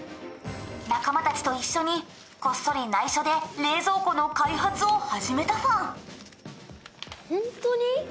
「仲間たちと一緒にこっそり内緒で冷蔵庫の開発を始めたフォン」